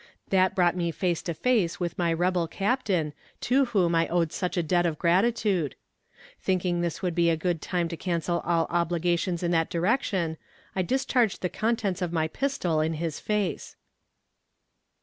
That brought me face to face with my rebel captain, to whom I owed such a debt of gratitude. Thinking this would be a good time to cancel all obligations in that direction, I discharged the contents of my pistol in his face.